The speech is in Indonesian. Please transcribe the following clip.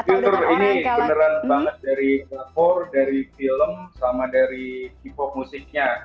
ini beneran banget dari lapor dari film sama dari hip hop musiknya